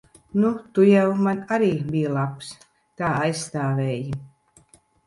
Nu, tu jau man arī biji labs. Tā aizstāvēji.